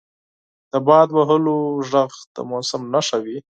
• د باد وهلو ږغ د موسم نښه وي.